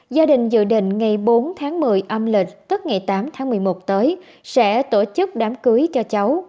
gia đình dự định ngày bốn tháng một mươi âm lịch tức ngày tám tháng một mươi một tới sẽ tổ chức đám cưới cho cháu